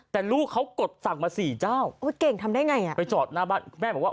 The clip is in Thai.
แต่ลูกเขากดสั่งมาสี่เจ้าไปจอดหน้าบ้านแม่บอกว่า